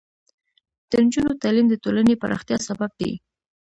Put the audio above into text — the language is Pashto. د نجونو تعلیم د ټولنې پراختیا سبب دی.